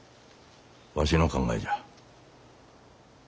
わしの考えじゃ。